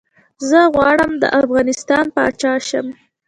زه غواړم ده افغانستان پاچا شم